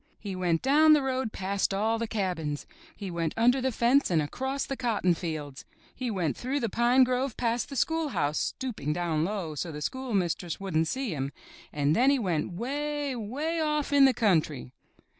He went down the road past all the cabins. He went under the fence and across the cotton fields. He went through the pine grove past the schoolhouse. 139 MY BOOK HOUSE stooping down low so the schoolmistress wouldn't see him, and then he went 'way, 'way off in the country.